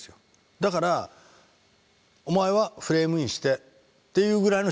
だから「お前はフレームインして」っていうぐらいの指示しかないわけ。